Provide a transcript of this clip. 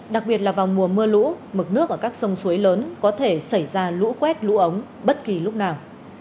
đặc biệt là vào mùa mưa lũ mực nước ở các sông suối lớn có thể xảy ra lũ quét lũ ống bất kỳ lúc nào